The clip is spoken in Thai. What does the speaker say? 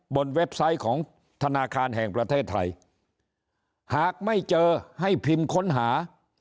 เว็บไซต์ของธนาคารแห่งประเทศไทยหากไม่เจอให้พิมพ์ค้นหา